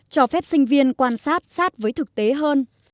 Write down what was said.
cho phép sinh viên quan sát sát với thực tế hơn